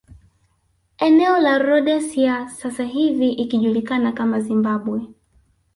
Eneo la Rhodesia sasa hivi ikijulikana kama Zimbabwe